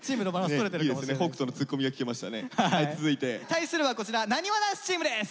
対するはこちらなにわ男子チームです。